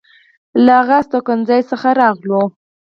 له هغه استوګنځي څخه راغلو.